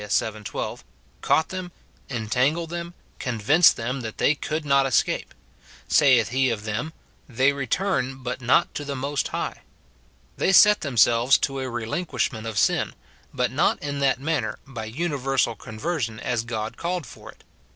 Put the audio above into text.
vii. 12, caught them, entangled them, convinced them that they could not escape ; saith he of them, " They return, but not to the Most High ;"— they set themselves to a relinquishment of sin, but not i*Q that manner, by universal conversion, as God called for it.